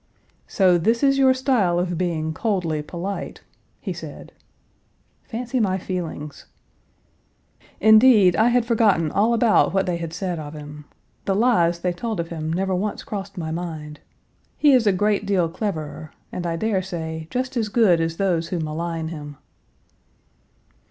"So, this is your style of being 'coldly polite,' " he said. Fancy my feelings. "Indeed, I had forgotten all about what they had said of him. The lies they told of him never once crossed my mind. He is a great deal cleverer, and, I dare say, just as good as those who malign him."